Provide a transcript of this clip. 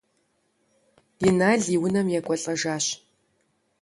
Инал и унэм екӏуэлӏэжащ.